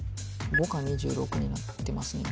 ５か２６になってますね・